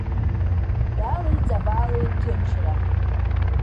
Дали Ҵабали ҭынчрам.